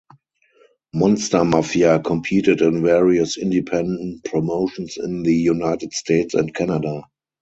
Monster Mafia competed in various independent promotions in the United States and Canada.